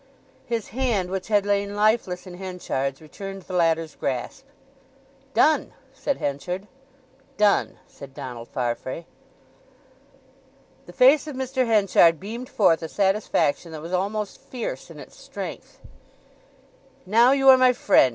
His hand, which had lain lifeless in Henchard's, returned the latter's grasp. "Done," said Henchard. "Done," said Donald Farfrae. The face of Mr. Henchard beamed forth a satisfaction that was almost fierce in its strength. "Now you are my friend!"